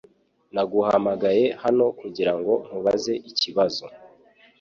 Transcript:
Naguhamagaye hano kugirango nkubaze ikibazo .